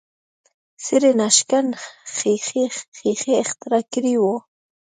سړي ناشکن ښیښه اختراع کړې وه